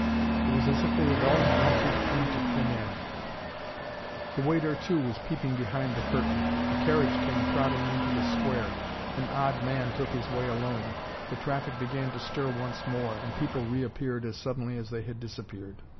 It was as if they had all melted into thin air. The waiter, too, was peeping behind the curtain. A carriage came trotting into the square an odd man took his way alone the traffic began to stir once more, and people reappeared as suddenly as they had disappeared.